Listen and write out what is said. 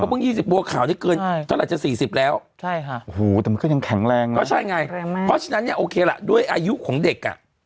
เขาเพิ่ง๒๐บัวขาวนี่เกินเท่าไหร่จะ๔๐แล้วแต่มันก็ยังแข็งแรงนะโอเคละด้วยอายุของเด็กอะ